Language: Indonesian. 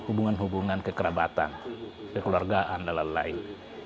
hubungan hubungan kekerabatan kekeluargaan dan lain lain